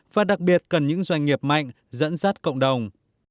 và đặc biệt cần những doanh nghiệp mạnh dẫn dắt cộng đồng